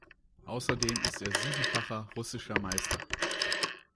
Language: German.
Außerdem ist er siebenfacher russischer Meister.